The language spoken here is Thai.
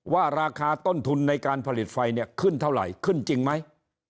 ว่าราคาต้นทุนในการผลิตไฟเนี่ยขึ้นเท่าไหร่ขึ้นจริงไหม